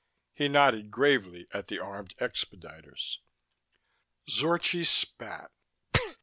He nodded gravely at the armed expediters. Zorchi spat.